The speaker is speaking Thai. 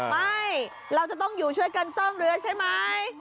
ไม่เราจะต้องอยู่ช่วยกันซ่อมเรือใช่ไหม